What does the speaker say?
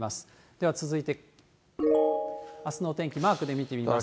では続いてあすのお天気、マークで見てみますと。